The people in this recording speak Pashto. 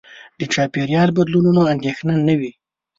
د چاپېریال بدلونونو اندېښنه نه وي.